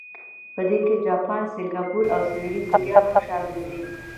په دې کې جاپان، سنګاپور او سویلي کوریا هم شامل دي.